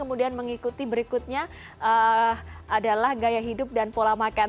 kemudian mengikuti berikutnya adalah gaya hidup dan pola makan